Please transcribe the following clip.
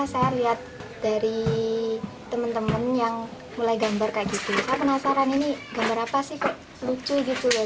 saya penasaran ini gambar apa sih kok lucu gitu